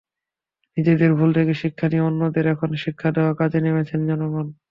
নিজেদের ভুল থেকে শিক্ষা নিয়ে অন্যদের এখন শিক্ষা দেওয়ার কাজে নেমেছেন জনসন।